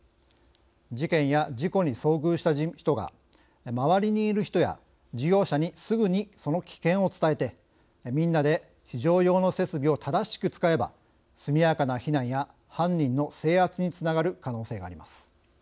事件や事故に遭遇した人が周りにいる人や事業者にすぐにその危険を伝えてみんなで非常用の設備を正しく使えば、速やかな避難や犯人の制圧につながる可能性があります。